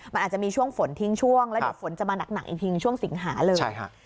มันอาจจะมีช่วงฝนทิ้งช่วงแล้วเดี๋ยวฝนจะมาหนักอีกทีช่วงสิงหาเลย